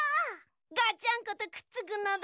ガチャンコとくっつくのだ！